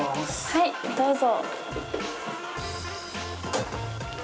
はいどうぞ。